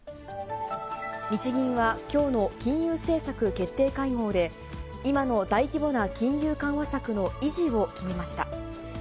日銀はきょうの金融政策決定会合で、今の大規模な金融緩和策の維持を決めました。